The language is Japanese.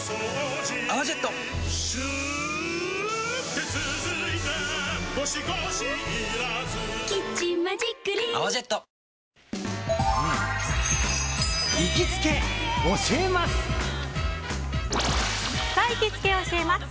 さあ、行きつけ教えます！